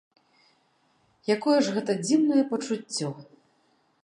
Якое ж гэта дзіўнае пачуццё!